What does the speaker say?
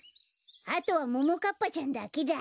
あとはももかっぱちゃんだけだ。